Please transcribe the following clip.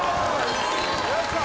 よっしゃ！